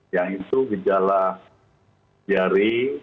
yang itu gejala diari